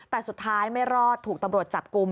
แต่สุดท้ายไม่รอดถูกตำรวจจับกลุ่ม